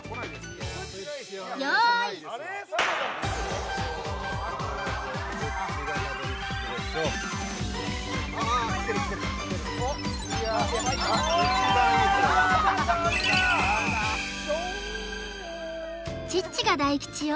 用意チッチが大吉よ